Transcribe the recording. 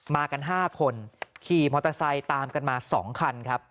มากัน๕คนขี่มอเตอร์ไซค์ตามกันมา๒คันครับ